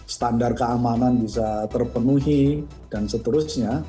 standar keamanan bisa terpenuhi dan seterusnya